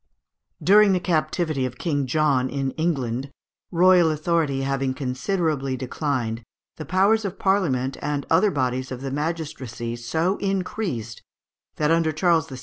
During the captivity of King John in England, royal authority having considerably declined, the powers of Parliament and other bodies of the magistracy so increased, that under Charles VI.